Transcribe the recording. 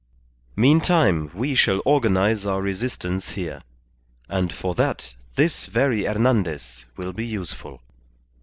Meantime we shall organize our resistance here. And for that, this very Hernandez will be useful.